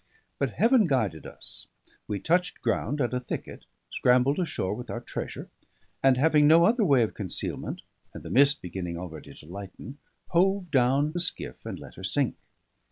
But Heaven guided us; we touched ground at a thicket; scrambled ashore with our treasure; and having no other way of concealment, and the mist beginning already to lighten, hove down the skiff and let her sink.